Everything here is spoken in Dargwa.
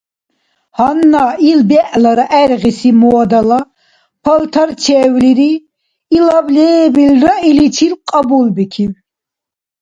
Гьанна ил бегӀлара гӀергъиси модала палтарчевлири — илаб лебилра иличил кьабулбикиб.